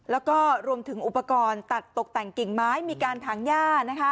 แล้วก็รวมถึงอุปกรณ์ตัดตกแต่งกิ่งไม้มีการถังย่า